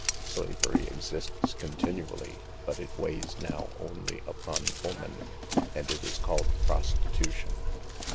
Slavery exists continually; but it weighs now only upon woman, and it is called prostitution.